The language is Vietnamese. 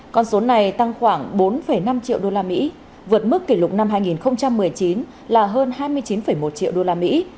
con số này tăng khoảng bốn năm triệu đô la mỹ vượt mức kỷ lục năm hai nghìn một mươi chín là hơn hai mươi chín một triệu đô la mỹ